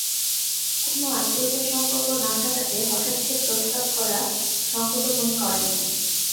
কোনো আত্মীয়তার সম্পর্ক না থাকাতে হঠাৎ সে প্রস্তাব করা সংগত মনে করেন নাই।